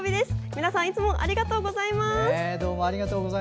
皆さんいつもありがとうございます。